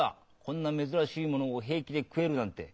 こんな珍しいものを平気で食えるなんて。